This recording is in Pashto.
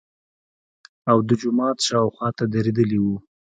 او د جومات شاوخواته درېدلي وو.